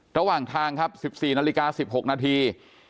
ระหว่างทางครับ๑๔นาฬิกา๑๖นาที